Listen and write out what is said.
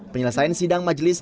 penyelesaian sidang majelis